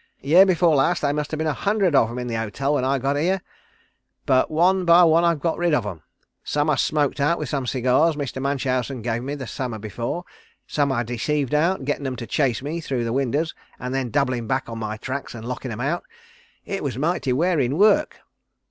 Year before last there must ha' been a hundred of 'em in the hotel when I got here, but one by one I got rid of 'em. Some I smoked out with some cigars Mr. Munchausen gave me the summer before; some I deceived out, gettin' 'em to chase me through the winders, an' then doublin' back on my tracks an' lockin' 'em out. It was mighty wearin' work.